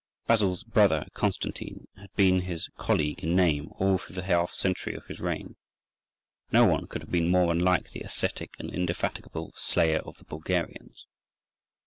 Basil's brother Constantine had been his colleague in name all through the half century of his reign. No one could have been more unlike the ascetic and indefatigable "Slayer of the Bulgarians."